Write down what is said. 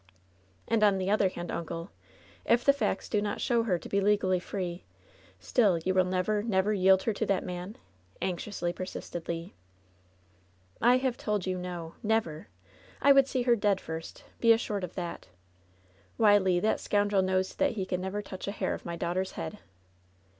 "And, on the other hand, uncle, if the facts do not show her to be legally free, still you will never, never yield her to that man ?" anxiously persisted Le. "I have told you no — ^never ! I would see her dead first. Be assured of that. Why, Le, that scoundrel knows that he can never touch a hair of my dau^ter's head."